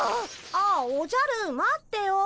ああおじゃる待ってよ。